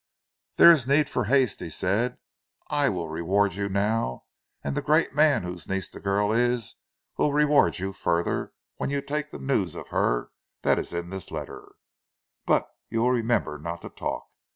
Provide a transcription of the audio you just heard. "There is need for haste," he said. "I will reward you now, and the great man whose niece the girl is, will reward you further when you take the news of her that is in the letter. But you will remember not to talk.